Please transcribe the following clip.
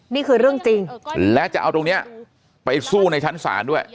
นี่คือเรื่องจริงและจะเอาตรงนี้ไปสู้ในชั้นศาลด้วย